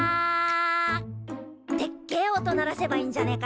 でっけえ音鳴らせばいいんじゃねえか？